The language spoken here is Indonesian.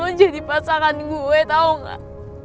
oh jadi pasangan gue tau gak